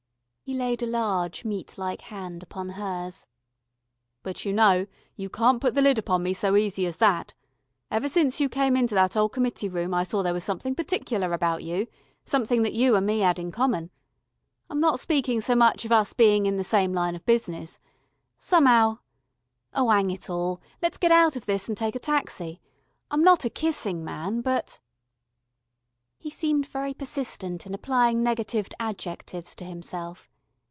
He laid a large meat like hand upon hers. "But you know, you can't put the lid on me so easy as that. Ever since you came into that old committee room I saw there was something particular about you, something that you an' me 'ad in common. I'm not speakin' so much of us bein' in the same line of business. Some'ow oh, 'ang it all, let's get out of this and take a taxi. I'm not a kissing man, but " He seemed very persistent in applying negatived adjectives to himself.